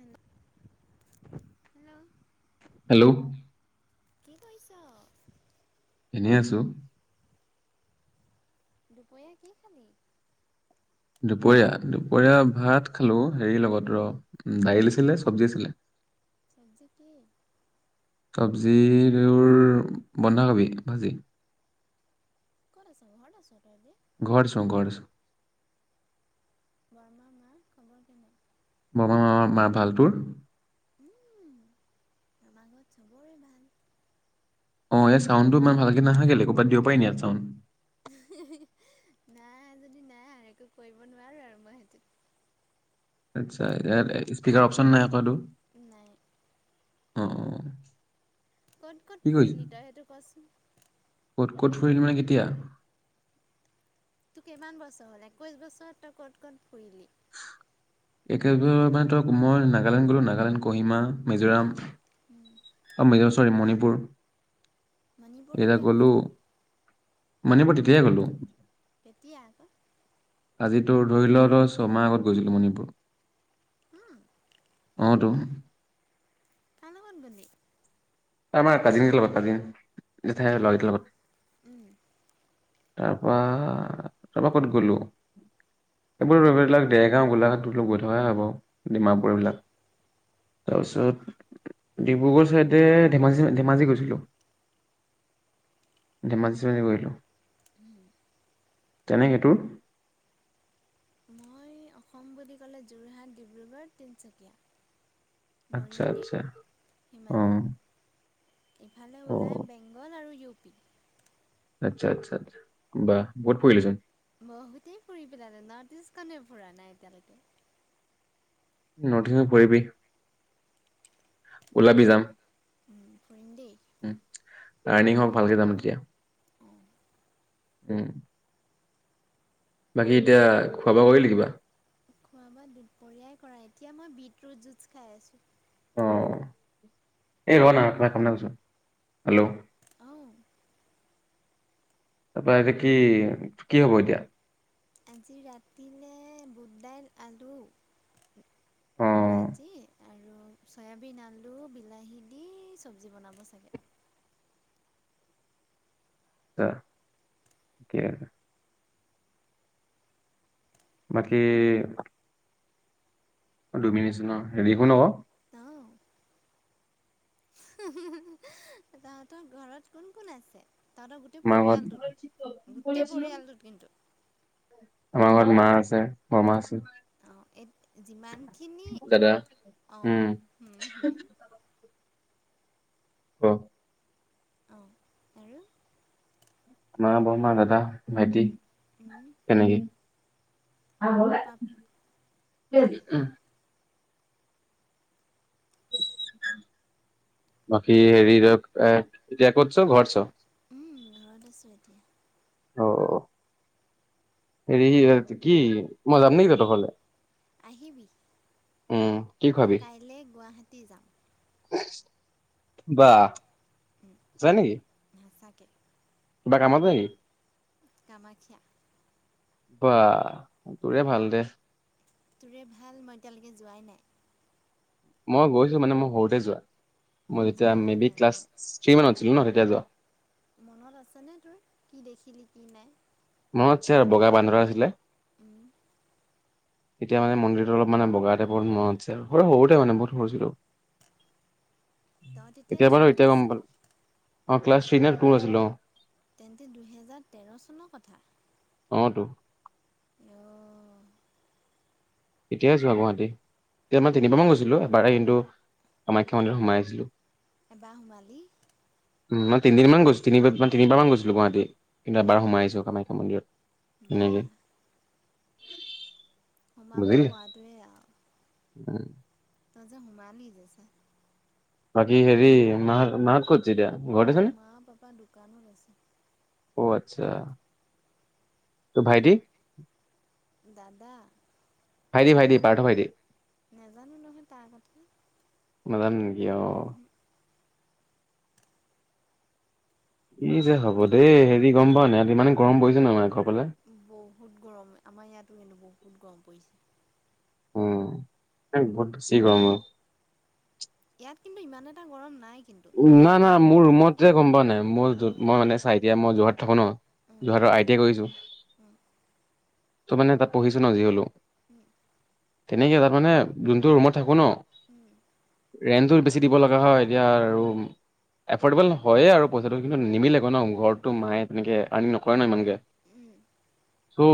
উম। Hello. কি কৰিছ। এনেই আছো। দুপৰীয়া কি খালি। দুপৰীয়া দুপৰীয়া ভাত খালো হেৰি লগত ৰ। উ দাইল আছিলে চব্জি আছিলে। চবজি কি। চব্জিৰ বন্ধাকবি ভাজি। হৰ ছ দি। ঘৰত আছো ঘৰত আছো। বৰৰ্মা মা খবৰ কেনে। বৰমা মা মাৰ ভাল তোৰ। উম আমাৰ ঘত সবৰে ভাল। অ ইয় চাউণ্ডটো ইমান ভালকে নাহাগে কৰবাত দিব পাৰি নি ইয়াত চাউন। সি হি হি। নাই যদি নাই আৰু একো কৰিব নোৱাৰো আৰু মই সেইটোত। আচ্ছা ইাত স্পীকাৰৰ অপশচন নাই আতো। নাই। অ অ। ক'ত ক'ত কি কৰিছ ফুৰিলি তই সেইটো কোৱাচোন। ক'ত ক'ত ফুৰিল মানে কেতিয়া। তোৰ কিমান বছৰ হ'ল একৈশ বছৰত তই ক'ত ক'ত ফুৰিলি। একেব মানে ধ মই নাগালেণ্ড, গলো নাগালেণ্ড কহিমা। মিজোৰাম। চৰি মণিপুৰ,। মণিপুৰ কেতিয়া গৈছিলোঁ। মানিপুৰ তেতিয়া গ'লো। কেতিয়া আকৌ। আজি তো ধৰি লওই ছমাহ আগত গৈছিলোঁ মণিপুৰ। উম, অটো। কাৰ লগত গলি। আমাৰ কাজিন লগত কাজিন জেঠাই লৰা কেইটা লগত। অ' তাৰ পৰা তাৰপা ক'ত গ'লো। এইবোৰ বিলাক দেৰগাঁও গোলাঘাট তোলক গৈ থকা হয় বাৰু। ডিমাপুৰ, উম, এবিলাক তাৰপিছত ডিব্ৰুগড়, চাইডে- ধেমাজি ধেমাজি গৈছিলোঁ। ধেমাজি গৈলোঁ। উম। তেনেকে তোৰ- মই অসম বুলি ক'লে যোৰহাট, ডিব্ৰুগড়, তিনিচুকীয়া। আচ্ছা মৰিয়নি আচ্ছা। সিমানী অ' ইফালে অ ওলায় বেংগল আৰু ইউ পি। আচ্ছা, আচ্ছা, বা বহুত ফুৰিলিচোন। বহুতেই ফুৰি পেলালো নৰ্থইষ্টনে ফুৰা নাই এতিয়ালৈকে। নৰ্থইষ্টও ফুৰিবি, ওলাবি যাম। উম ফুৰিম দেই। লাৰ্ণিং, হওক ভালকে যাম তেতিয়া। অঁ উম। বাকী এতিয়া খোৱা বোৱা কৰিলি কিবা। খোৱা বোৱা দুপৰীয়াই কৰা এতিয়া মই বিটৰুট জুছ খাই আছো। অ', এ ৰ না কামনা লচো, হেল্ল' অ তাৰপৰা এতিয়া কি কি হব এতিয়া। আজি ৰাতি নে বুট দাইল আলু। অ ভাজি আৰু চয়াবিন, আলু বিলাহী, দি চব্জি বনাব চাগে। [inaudible] অ, ঠিকে আছে। বাকী অ, দুইমিনিটছ ন হেৰি একো নহ। তাহতৰ ঘৰত কোন কোন আছে। তহঁতৰ গোটেই আমাঘৰত পৰিয়ালটোত আমাৰঘৰ- গোটেই পৰিয়ালটোত কিন্তু মা আছে, বৰমা আছে। অঁ যিমানখিনি দাদা অ, উম হুম হুম। অ' অ, আৰু মা, বৰমা, দাদা, ভাইটি উম উম ফেমেলি পাপ [unintelligible] বাকী হেৰি ধৰক এ এতিয়া ক'ত আছ ঘৰত আচ। উম ঘৰত আছো এতিয়া। অ, হেৰি কি মই যাম নিকি তহতৰ ঘৰলে। আহিবি। উম কি মই খুৱাবি কাইলে গুৱাহাটী যাম। বাহ উম যাবি [unintelligible] কিবা কামত যাবি। কামাখ্যা। বা তোৰে ভাল দে। তোৰে ভাল মই এতিয়ালেকে যোৱাই নাই। মই গৈছো মানে মই সৰুতে যোৱা মই যেতিয়া যোৱাই মে বি নাই ক্লাছ মানে থ্ৰী মানত ছিলো ন তেতিয়া যোৱা। মনত আছেনে তোৰ কি দেখিলি কি নাই। মনত আছে বগা বান্দৰ আছিলে। উম তেতিয়া মন্দিৰটো অলপ মানে বগা টাইপৰ মনত আছে আৰু স সৰুতে মানে বহুত সৰু আছিলো। তই তেতিয়া এতিয়া বাৰু এতিয়া থ্ৰীত গম আছিলি। পালো অ ক্লাছ থ্ৰী নে টু আছিলো অঁ তেন্তে দুহেজাৰ তেৰ চনৰ কথা অ টো অ' এতিয়াই যোৱা গুৱাহাটী এতিয়া মই তিনিবামান গৈছিলো এবাৰে কিন্তু কামাখ্যা মন্দিৰত সোমাই আহিছিলো এবাৰ সোমালি উম মই তিনদিন মান গৈছো তিনিবাৰ মান গৈছিলো গুৱাহাটী কিন্তু এবাৰ সোমাই আহিছোঁ কামাখ্যা মন্দিৰত বা তেনেকেই সোমাব পৱাটোৱেই আও উম ত যে সোমালি যে ছা বাকী হেৰি মা মা কত আছে এতিয়া ঘৰত আছে নে মা পাপা দোকানত আছে অ আচ্ছা ত' ভাইটি দাদা ভাইটি ভাইটি পাৰ্থ ভাইটি নাজানো নহয় তাৰ কথা নাজানে নেকি অ উহু ই যে হ'ব দেই হেৰি গম পা নাই ইত ইমানে গৰম পৰিছে নহয় মানে ঘত বহুত গৰম আমাৰ ইয়াতো হেনো বহুত গৰম পৰিছে উম বত চেব আও ম ইয়াত কিন্তু ইমান এটা গৰম নাই কিন্তু না না মোৰ বেংগলত ৰুমত যে গম পোৱা নাই মোৰ উম মই মানে চাই দিয়া মই যোৰহাট থাকো ন উম যোৰহাটৰ আই টি আই কৰিছো উম ত' মানে তাত পঢ়িছো ন যি হলেও উম তেনেকে তাত মানে যোনটো ৰুমত থাকো ন উম ৰেন্টটো বেছি দিব লগা হয় এতিয়া [unintelligible] এফৰ্ডেবল হয়ে আৰু পইচাটো কিন্তু নিমিলে গৈ ন ঘৰতটো মায়ে তেনেকে আৰ্ণিং নকৰে ন ইমানকে উম ত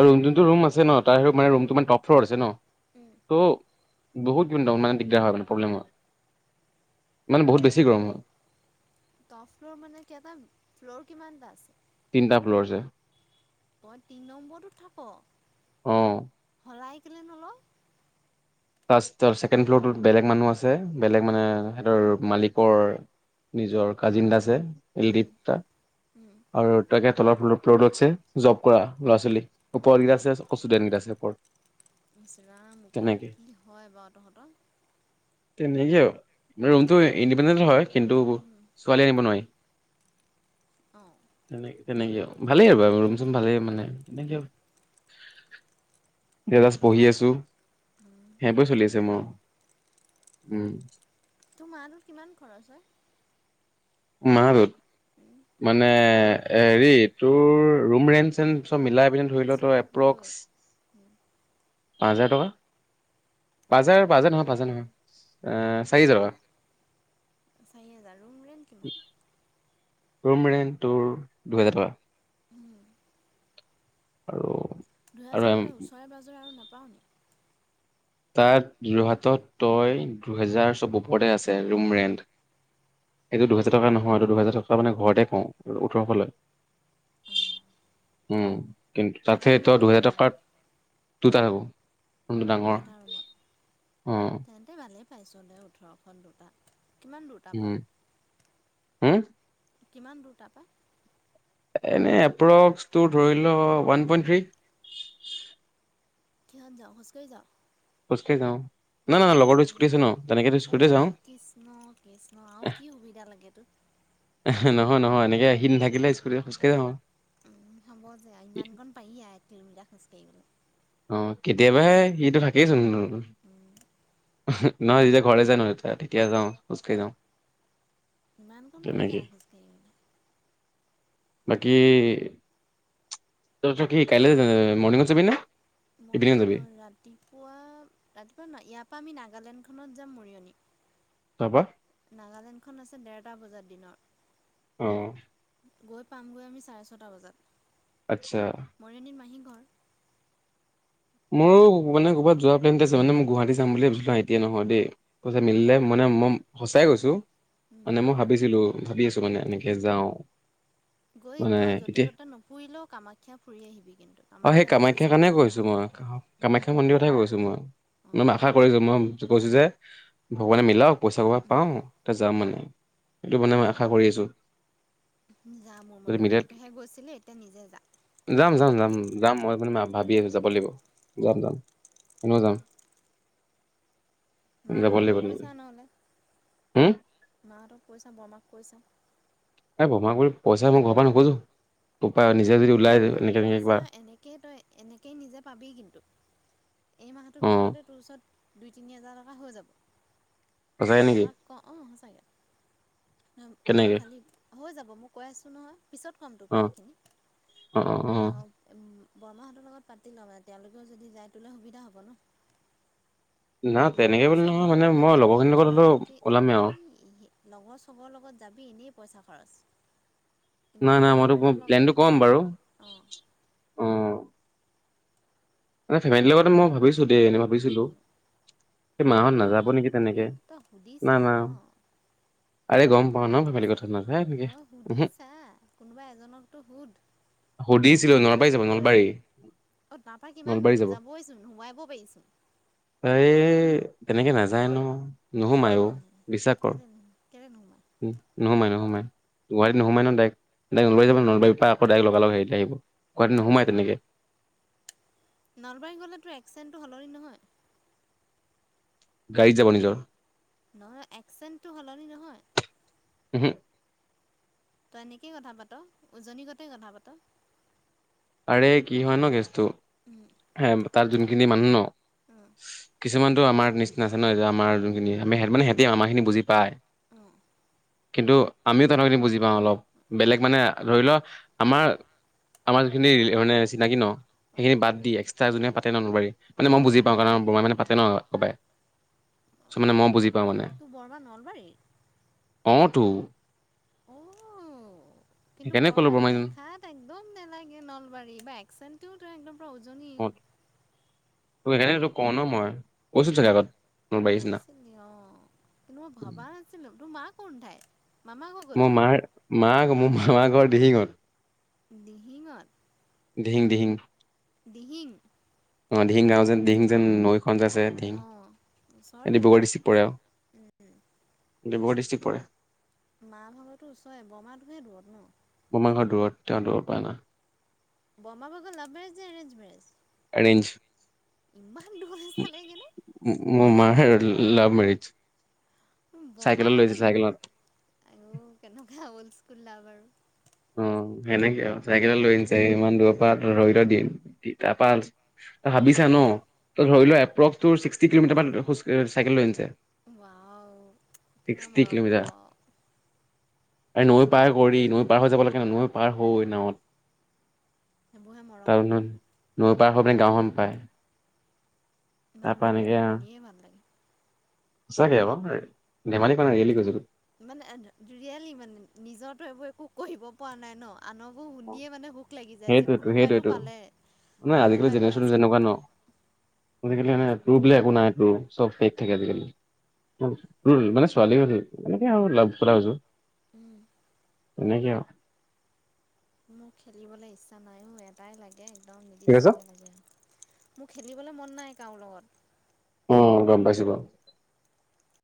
আৰু যোনটো ৰুম আছে ন তাৰ মানে ৰুমটো মানে টপ ফ্ল'ৰ আছে ন উম ত' বহুত দিন অনমান দিগদাৰ হয় প্ৰব্লেম হয় মানে বহুত বেছি গৰম হয় টপ ফ্ল'ৰ মানে কেটা ফ্ল'ৰ কিমান এটা আছে তিনিটা ফ্ল'ৰ আছে তই তিনি নম্বৰটোত থাক অ সলাই কেলে নল ফাৰ্ষ্ট ছেকেণ্ড ফ্ল'ৰটোত বেলেগ মানুহ আছে বেলেগ মানে সিহঁতৰ মালিকৰ নিজৰ কাজিন আছে উম ইদিপ্তা উম আৰু তাকে তলৰ ফ্লৰটোত আছে জব কৰা ল'ৰা ছোৱালী ওপৰকেইটা আছে ষ্টুডেণ্ট কেইটা আছে ওপৰত। ইছ ৰাম তেনেকে মুখৰত কি হয় বাৰু তহঁতৰ তেনেকে আৰু ৰুমতটো ইণ্ডিপেণ্ডেণ্ হয় কিন্তু উম ছোৱালী আনিব নোৱাৰি। অঁ তেনেকে তেনেকে ভালেই আৰু ৰুম চুম ভালেই মানে তেনেকে। এজাজ পঢ়ি আছো উম সেইবোৰে চলি আছে মই উম তো মাহত কিমান খৰচ হয়। মাহটোত। মানে হেৰি তোৰ ৰুম ৰেন্ট চন্ট চব মিলাই। ধৰি ল চব লৈ এপ্ৰক্স পাঁচ হাজাৰ টকা। পাজাৰ পাজাৰ নহয় পাজাৰ নহয় চাৰি হাজাৰ টকা। চাৰি হেজাৰ ৰুম ৰেণ্ট কিমান ৰুম ৰেণ্ট তোৰ দুহেজাৰ টকা। উম। আৰু দুহেজাৰ আৰু ত ওচৰে-পাজৰে আৰু নাপাওঁনে? তাত যোৰহাটত তই দুহেজাৰ চব ওপৰতে আছে ৰুম ৰেণ্ট। এইটো দুহেজাৰ টকা নহয় আৰু দুহেজাৰ টকা মানে ঘৰতে কওঁ, ওঠৰশ লয়। অঁ উম, কিন্তু এটা তাতে ৰুমত তই কেইটা দুহেজাৰ থাক টকাৰ দুটা জাব ডাঙৰ। এটা ৰুমত উম। তেন্তে ভালেই পাইছ দে ওঠৰখন দুটা। কিমান দুৰ তাৰপৰা? উম হম কিমান দূৰ তাৰপৰা? এনেই এপ্ৰক্সটো ধৰি লও ওৱান পইন্ট থ্ৰী। কিহত যাও খোজকাঢ়ি যাও? খোজ কাঢ়ি না ন লগৰ স্কটি আছে ন, তেনেকেত অ' স্কুটতে যাওঁ। কৃষ্ণ, কৃষ্ণ আৰু কি সুবিধা লাগে তোক? নহয়, নহয় এনেকে সি নাথাকিলে স্কুুল খোজ কাঢ়ি আহোঁ। উম, হ'ব যে ইমান কণ পাৰি তিনিটা খোজ কাঢ়িবলৈ। অ' কেতিয়াবাহে সিটো থাকেইচোন ন। নহয় সেইকেইটা ঘৰ যে নতি ঠিকে যাওঁ খোজ কঢ়ি যাওঁ। ইমান কম পাৰি তেনেকে আৰু খোজকাঢ়িবলৈ। বাকী চ কি কাইলৈ মৰ্নিঙংতছে জাবি নে [unintelligible] ইভিনিঙত মইও যাবি নহ ৰাতিপুৱা, ৰাতিপুৱা ইয়াৰ পৰা আমি নাগালেণ্ড খনত যাম মৰিয়নি। তাৰপা নাগালেণ্ডখন আছে ডৰটা বজাত অ দিনৰ। গৈ পামগৈ আমি চাৰে ছটা বজাত। আচ্ছা। মৰিয়নিত মাহী ঘৰ মোৰো মানে ক'ৰবাত যোৱা প্লেনতে আছে। মানে, মই গুৱাহাটী চাম বুলি ভাবিছিলো আই টি আই নামত দেই। পইচা উম মিলিলে মানে মই সঁচাই কৈছোঁ, উম মানে মই ভাবিছিলো। ভাবি আছো মানে এনেকে যাওঁ। গৈ মানে তই এতিয়া যতে-ত'তে নুফুৰিলেও কামাখ্যা ফুৰি আহিবি কিন্তু। অ', সেই কামাখ্যাত গৈ কামাখ্যাৰ কাৰণে চাকি কৈছো মই অঁ কামাখ্যা মন্দিৰতহে গৈছো মই অঁ ম আশা কৰিছো মই কৈছো যে ভগৱানে মিলাওক পইচা ক পাওঁ তাৰিছ যাম মানে। সেইটো মানে মই আশা কৰি আছো। যা মোৰ যদি মতে মিলে সৰুতেহে গৈছিলি এতিয়া নিজে যা। যাম যাম যাম যাম মই মানে ভাবি আছ যাব লাগিব। যাম, যাম কনেও যাম। মা যাব হঁতক লাগিব কৈছা নহ'লে? হম মা হঁতক কৈ চাম ম আমাক কৈছা। এই বমা কৰি পইচা মই ঘৰ পৰা নোখোজোঁ। নহয়, নহয় পইচা এনেকেই তই এনেকেই নিজে পাবি কিন্তু। এই মাহটোৰ অ', ভিতৰতে তোৰ ওচৰত দুই-তিনি হাজাৰ টকা হৈ যাব। ত সঁচাই নেকি বমাক ক অঁ সঁচাকে। এই কেনেকে খালি হৈ যাব মই কৈ আছো নহয়। পিছত কম তোক মই অ', সেইখিনি। অ, অ। বৰৰ্মাহঁতৰ লগত পাতি লওঁ মানে তেওঁলোকেও যদি যায় তোলে সুবিধা হ'ব ন? না তেনেকে লগৰ বুলি নহয় চবৰ মানে মই লগত গ'ল লগৰখিনিৰ লগত হ'লেও যোৱাতকে ওলামেই আৰু ই লগৰ চবৰ লগত যাবি। এনেই পইচা খৰচ। কিন্তু নাই নাই ঘৰৰ মই তোক মই মানুহৰ প্লেনটো লগত ক'ম গ'লে বাৰু অ' অ'। ফেমিলিৰ লগতে মই ভাবিছো দেই, এনেই ভাবিছিলো। সেই মাহঁত নাযাব বৰৰ্মা নেকি তেনেকে তই না সুধিছা না ন? আৰে গম পাও তই ন ফেমিলি সুধিছা, কথা নাযায় এনেকে তই উহু সুধিছা কোনোবা এজনকতো সুধ। সুধিছিলো নলবাৰী যাব নলবাৰী। অ তাৰপা কিমান নলবাৰী দূৰ নো যাব যাবইচোন সোমাব পাৰিছোন। তাই তেনেকে নাযায় ন। নোসোমায় অঔ কেলেনো বিশ্বাস কৰ কেলেনো কেলে নোসোমাই নোসোমাই নোসোমায় গুৱাহাটীত নহুমাই ন নলবাৰী যাব নলবাৰীৰ পৰা আকৌ। লগাল লগ হেৰি আহিব কোৱাদিন নো সোমাই তেনেকে। নলবাৰী গ'লেতোৰ এক্সিডেণ্টো সলনি নহয়। গাড়ীত যাব নিজৰ। নহয় একচেণ্টটো সলনি নহয়। উম - হুম। তই এনেকেই কথা পাত উজনি কতে কথা পাত। আৰে কি হয় ন কেছটো। উম হে তাৰ যোনখিনি মানুহ। উম কিছুমানটো আমাৰ নিছিনা আছে আমাৰ যোনখিনিমি মানে ইহতি আমা খিনি বুজি পায়। উম। কিন্তু আমিও তেনেকিনি বুজি পাওঁ অলপ, বেলেগ মানে ধৰি লোৱা আমাৰ, আমাৰ যিখিনি মানে চিনাকি ন। অঁ সেইখিনি বাদ দি একসট্ৰা যোনে পাতে নবাৰ মান উম মইুি পাওঁ কাৰণ ব মানে পাতে ন। চবে, মানে মই বুজি প। তোৰ বৰমা নলবাৰী। অটো। অঁ। কিন্তু সেইকাৰণে ক'লো বৰমাক বৰমাই দেখাত একদম নেলাগে নলবাৰী বা একচেটও ত একদম। উজনি অ ত এনে তোৰ কওঁ ন মই কৈছো চাগে আগত। নলবাৰী নিচিনা কৈছিলি অ কিন্তু মই ভবা নাছিলো তোৰ মা কোন ঠাই। মোৰ মাৰ মা মোৰ মা ঘৰ দিহিঙত। দিহিঙত। দিহিং দিহিং। দিহিং। অ দিহিং গাঁও যেন দিহিং যেন নৈ। খঞ্জ আছে ডিম অঁ ওচৰতে ডিব্ৰুগড় বাৰু ডিষ্ট্ৰিক্ট পৰে আৰু ডিব্ৰুগড় ডিক। পৰে। মাহ ভাগৰতো ওচৰে বৰমাটোহে দূৰত ন। বৰমাৰ দূৰত তেওঁ দৌৰ পায় না। বৰমা ভাগৰ লাভ মেৰীজ যে এৰেঞ্জ মেৰেজ। এৰেঞঞ্চ। ইমান দূৰ চালে কেনে লভ মেৰিজ বমা চাইকেলত লৈ আহিছিল ভাগৰ চাইকেলত আৰু কেনেকুৱা হল স্কুল লাভাৰ [inaudible] অ সেনেকে আৰু চাইকেলত লৈ আনিছে ইমান দূৰৰ পৰা ধৰি থ দিম তাৰপ ত ভাবিছা ন ধৰি ল এপ্ৰক্স ছিক্সটি কিলোমিটাৰ চাইকেল লৈ আনিছে। ৱাও কেনেকা ছিক্সটি মৰম কিলোমিটাৰ হ'ব। আৰু নৈ পাৰ কৰি নৈ পাৰ হৈ যাব লাগে ন নৈ পাৰ হৈ নাৱত। সেইবোৰহে তাৰ মৰম নৈ পাৰ হয় পিনে গাঁওখন পায়। ভাল তাৰপা লাগে এনেকে এইবোৰ শুনিয়ে ভাল লাগে। সঁচাকে আক ধেমালি কৰা নাই ৰিয়লি কৈছিলোঁ। মানে জুৰিয়ালি মানে নিজতো এইবোৰ একো কৰিব পৰা নাই ন আনকোৰ শুনিয়ে মানে সুখ লাগি যায় যে সেইটোৱেতো কোনোবাইতো সেইটোৱেতো পালে নহয় আজিকালি কোনোবাইতো জেনেৰেশ্যনটো আচল যেনেকুৱা ন [unintelligible] বোলে একো নাই চব ফেক থাকে আজিকালি। মানে ছোৱালী হ'লেও এনেকে আৰু লাভ কথা কৈছোঁ। উম। তেনেকে আও। মোক খেলিবলৈ ইচ্ছা নাই অ এটাই লাগে একদম কি কৈছা? নিৰ্দিষ্টকে লাগে মোক খেলিবলে মন নাই কাৰো লগত। উম গম পাইছোঁ অ।